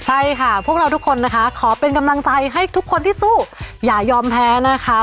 ใช่ค่ะพวกเราทุกคนนะคะขอเป็นกำลังใจให้ทุกคนที่สู้อย่ายอมแพ้นะคะ